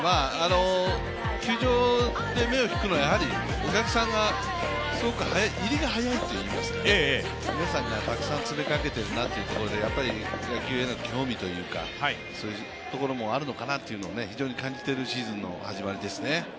球場で目を引くのはお客さんの入りがすごく早いといいますか、皆さんがたくさん詰めかけてるなというところでやっぱり野球への興味というところもあるのかなというのも非常に感じているシーズンの始まりですね。